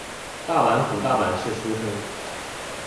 大阪府大阪市出身。